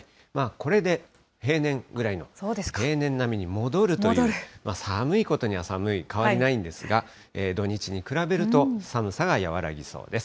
これで平年ぐらいの、平年並みに戻るという、寒いことには寒い、変わりないんですが、土日に比べると、寒さが和らぎそうです。